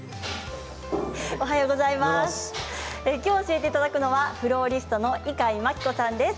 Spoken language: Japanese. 今日教えていただくのはフローリストの猪飼牧子さんです。